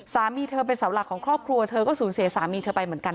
สามีเธอเป็นเสาหลักของครอบครัวเธอก็สูญเสียสามีเธอไปเหมือนกัน